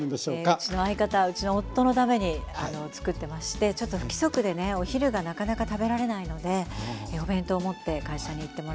えうちの相方うちの夫のためにあのつくってましてちょっと不規則でねお昼がなかなか食べられないのでお弁当を持って会社に行ってもらってます。